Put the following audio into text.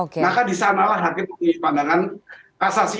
karena disanalah hakim punya pandangan kasasi